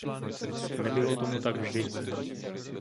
Nebylo tomu tak vždy.